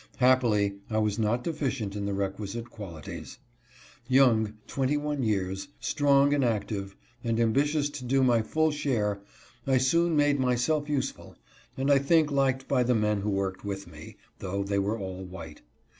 Happily I was not deficient in the requisite qualities. Young (21 years), strong and active, and am bitious to do my full share, I soon made myself useful, and I think liked by the men who worked with me, though they were all white.